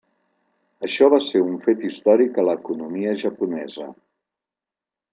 Això va ser un fet històric a l'economia japonesa.